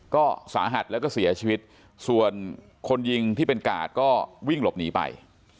ก็สาหัสแล้วก็เสียชีวิตส่วนคนยิงที่เป็นกาดก็วิ่งหลบหนีไป